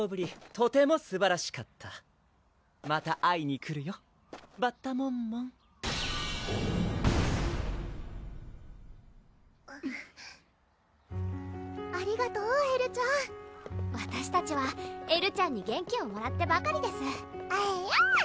とてもすばらしかったまた会いに来るよバッタモンモンありがとうエルちゃんわたしたちはエルちゃんに元気をもらってばかりですえるぅ！